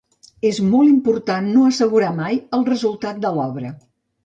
És molt important no assegurar mai el resultat de l'obra...